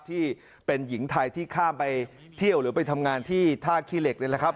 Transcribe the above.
ที่เป็นหญิงไทยที่ข้ามไปเที่ยวหรือไปทำงานที่ท่าขี้เหล็กนี่แหละครับ